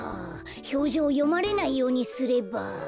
ひょうじょうをよまれないようにすれば。